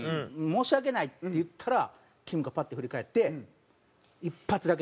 「申し訳ない」って言ったらきむがパッて振り返って。